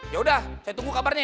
yaudah saya tunggu kabarnya ya